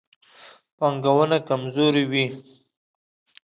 پانګونه کمزورې وي.